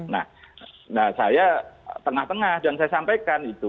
nah saya tengah tengah dan saya sampaikan itu